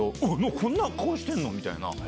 こんな顔してんの？みたいな。